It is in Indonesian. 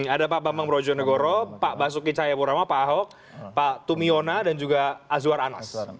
ada pak bambang brojonegoro pak basuki cahayapurama pak ahok pak tumiona dan juga azwar anas